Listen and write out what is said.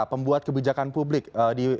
pembuat kebijakan publik di